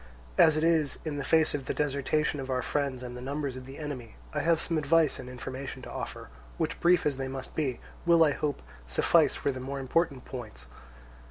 As it is, in the face of the desertion of our friends and the numbers of the enemy, I have some advice and information to offer, which, brief as they must be, will, I hope, suffice for the more important points.